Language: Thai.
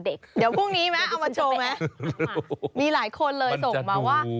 เดี๋ยวพรุ่งนี้ไหมเอามาโชว์ไหม